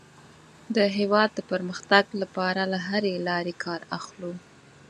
د هېواد د پرمختګ لپاره له هرې لارې کار اخلو.